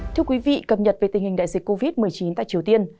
thưa quý vị cập nhật về tình hình đại dịch covid một mươi chín tại triều tiên